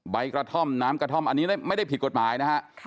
ใบกระท่อมน้ำกระท่อมอันนี้ไม่ได้ผิดกฎหมายนะฮะ